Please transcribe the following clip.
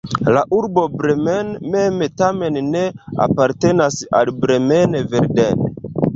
La urbo Bremen mem tamen ne apartenas al Bremen-Verden.